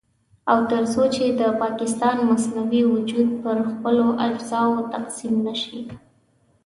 او تر څو چې د پاکستان مصنوعي وجود پر خپلو اجزاوو تقسيم نه شي.